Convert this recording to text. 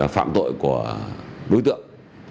phạm tội của đối tượng